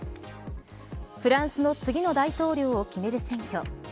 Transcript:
フランスの次の大統領を決める選挙。